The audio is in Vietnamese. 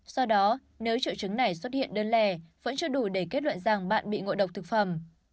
do đó nếu triệu chứng này xuất hiện đơn lẻ vẫn chưa đủ để kết luận rằng bạn bị ngộ độc thực phẩm